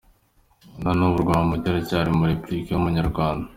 Na n’ubu Rwamucyo aracyari umu Républicains w’Umunyarwanda.